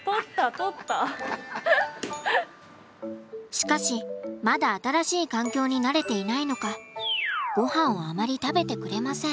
しかしまだ新しい環境に慣れていないのかごはんをあまり食べてくれません。